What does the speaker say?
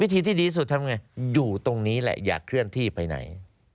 ที่ดีที่สุดทำไงอยู่ตรงนี้แหละอย่าเคลื่อนที่ไปไหน